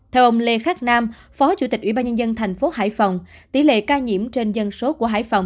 theo ông lê khát nam phó chủ tịch ủy ban nhân dân tp hải phòng tỷ lệ ca nhiễm trên dân số của hải phòng